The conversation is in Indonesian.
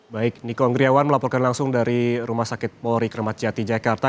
baik nikko anggriawan melaporkan langsung dari rumah sakit polri kramadjati jakarta